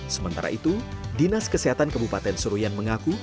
sementara itu dinas kesehatan kebupaten seruyan mengaku